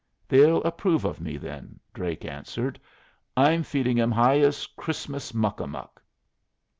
"They'll approve of me, then," Drake answered. "I'm feeding 'em hyas Christmas muck a muck."